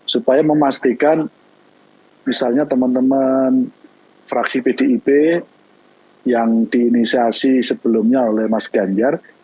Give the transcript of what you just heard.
supaya memastikan misalnya teman teman fraksi pdip yang diinisiasi sebelumnya oleh mas ganjar